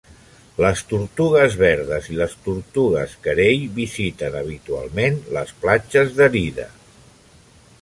Les tortugues verdes i les tortugues carei visiten habitualment les platges d'Aride.